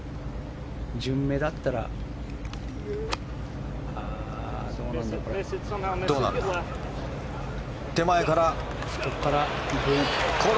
順目だったらどうなんだろう、これ。